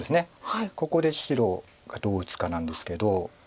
ここで白がどう打つかなんですけど。